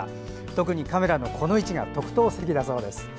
特にカメラのこの位置が特等席だそうです。